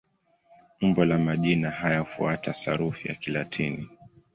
Umbo la majina haya hufuata sarufi ya Kilatini.